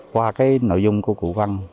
qua cái nội dung của cụ văn